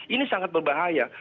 ini sangat berbahaya